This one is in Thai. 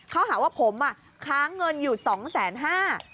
เขาหาว่าผมค้างเงินอยู่๒๕๐๐๐๐บาท